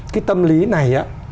cái tâm lý này á